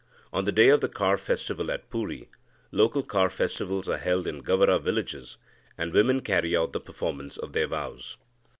On the day of the car festival at Puri, local car festivals are held in Gavara villages, and women carry out the performance of their vows.